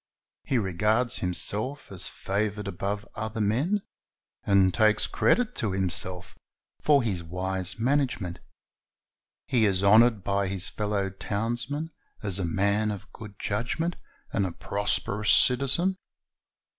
He regards himself as favored above other men, and takes credit to himself for his wise management. He is honored by his fellow townsmen as a man of good judgment and a prosperous citizen.